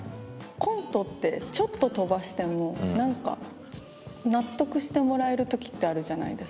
コントってちょっと飛ばしても何か納得してもらえるときってあるじゃないですか。